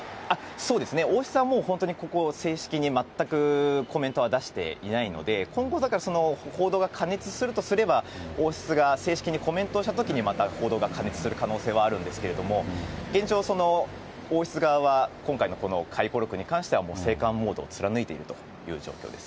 そうですね、王室はもう本当にここ、正式に全くコメントは出していないので、今後、だからその報道が過熱するとすれば、王室が正式にコメントをしたときに、また報道が過熱する可能性はあるんですけど、現状、王室側は今回のこの回顧録に関しては、もう静観モードを貫いているという状況です。